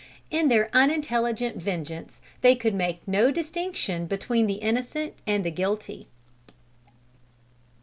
In their unintelligent vengeance they could make no distinction between the innocent and the guilty.